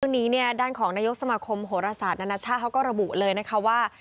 เรื่องนี้เนี่ยด้านของนายกสมาคมโหรศาสตร์นานาชาติเขาก็ระบุเลยนะคะว่า